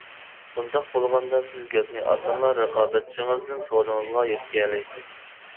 بۇنداق بولغاندا سىز گەپنى ئاسانلا رىقابەتچىڭىزدىن سودىڭىزغا يۆتكىيەلەيسىز.